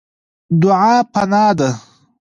دعا پناه ده.